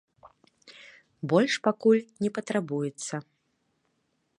Больш пакуль не патрабуецца.